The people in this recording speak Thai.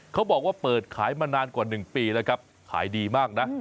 เขาบอกว่าเปิดขายมานานกว่า๑ปีแล้วครับขายดีมากนะ